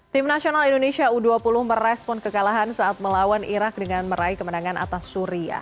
tim nasional indonesia u dua puluh merespon kekalahan saat melawan irak dengan meraih kemenangan atas suria